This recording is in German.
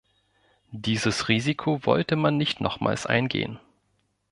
Dieses Risiko wollte man nicht nochmals eingehen.